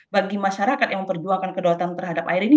bagi masyarakat yang memperjuangkan kedaulatan terhadap air ini